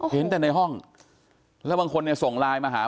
เห็นแต่ในห้องแล้วบางคนเนี่ยส่งไลน์มาหา